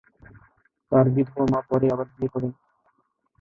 তার বিধবা মা পরে আবার বিয়ে করেন।